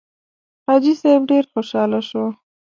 حاجي صیب ډېر خوشاله شو.